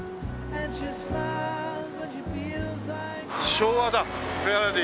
昭和だ。